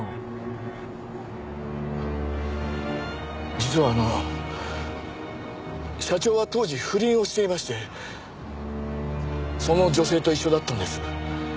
実はあの社長は当時不倫をしていましてその女性と一緒だったんです。